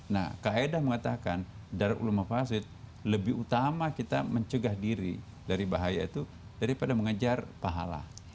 nah kaedah mengatakan darul ulma fasid lebih utama kita mencegah diri dari bahaya itu daripada mengejar pahala